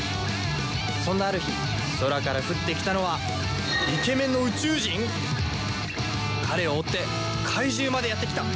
そんなある日空から降ってきたのは彼を追って怪獣までやってきた。